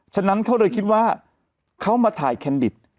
ฉะนั้นเขาเลยคิดว่าเขามาถ่ายแคนดิต